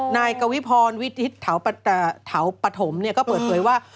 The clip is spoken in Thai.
นายกวิพรวิทธิศถาวปฐมเนี่ยก็เปิดเวยว่า